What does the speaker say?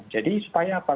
jadi supaya apa